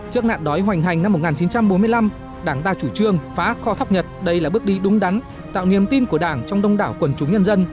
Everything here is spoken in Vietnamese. trước nạn đói hoành hành năm một nghìn chín trăm bốn mươi năm đảng đa chủ trương phá kho thóc nhật đây là bước đi đúng đắn tạo niềm tin của đảng trong đông đảo quần chúng nhân dân